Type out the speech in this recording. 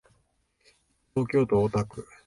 東京都大田区